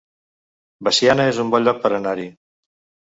Veciana es un bon lloc per anar-hi